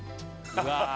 うわ